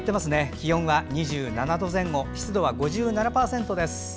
気温は２７度前後湿度は５７％です。